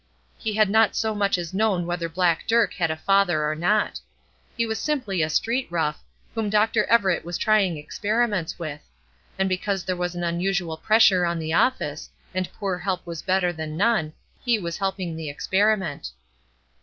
He had not so much as known whether black Dirk had a father or not. He was simply a street rough, whom Dr. Everett was trying experiments with; and because there was an unusual pressure on the office, and poor help was better than none, he was helping the experiment.